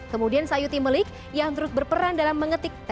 kemudian sayuti melik yang terus berperan dalam menjahit sang saka merah putih